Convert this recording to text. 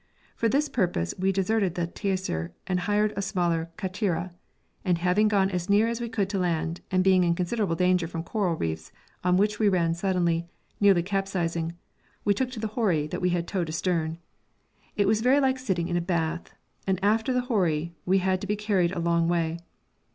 For this purpose we deserted the Taisir and hired a smaller kattira, and having gone as near as we could to land, and been in considerable danger from coral reefs, on which we ran suddenly, nearly capsizing, we took to the houri that we had towed astern. It was very like sitting in a bath, and, after the houri, we had to be carried a long way.